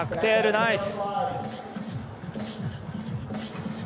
ナイス！